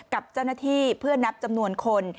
กับเจ้าหน้าที่เพื่อนับจำนวนคน